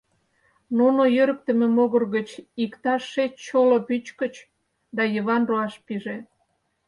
Нуно йӧрыктымӧ могыр гыч иктаж шеч чоло пӱчкыч, да Йыван руаш пиже.